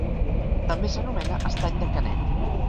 També s'anomena estany de Canet.